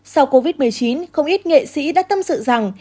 sau covid một mươi chín không ít nghệ sĩ đã tâm sự rằng